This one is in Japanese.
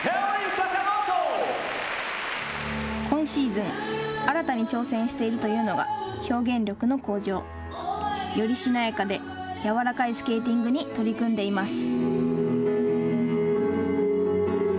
今シーズン新たに挑戦しているというのが表現力の向上。よりしなやかでやわらかいスケーティングに取り組んでいます。